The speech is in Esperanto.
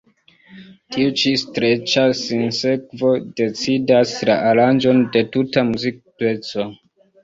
Tiu ĉi streĉa sinsekvo decidas la aranĝon de tuta muzikpeco.